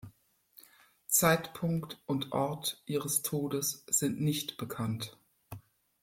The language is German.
Zeitpunkt und Ort ihres Todes sind nicht bekannt.